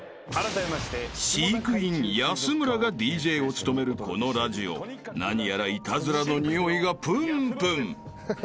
［飼育員安村がＤＪを務めるこのラジオ何やらイタズラのにおいがプンプン］